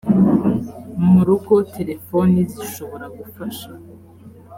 mu rugo terefoni zishobora gufasha